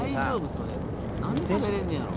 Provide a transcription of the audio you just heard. それ何で食べれんねやろ？